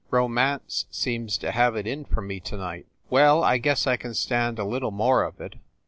Romance seems to have it in for me to night. Well, I guess I can stand a little more of it.